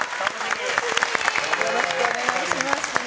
よろしくお願いします。